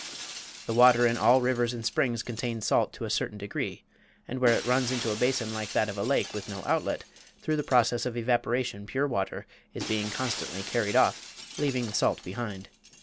The water in all rivers and springs contains salt to a certain degree, and where it runs into a basin like that of a lake with no outlet, through the process of evaporation pure water is being constantly carried off, leaving the salt behind.